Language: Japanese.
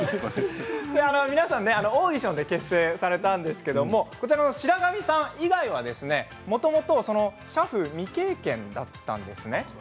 皆さんオーディションで結成されたんですが白上さん以外はもともと俥夫未経験だったそうなんです。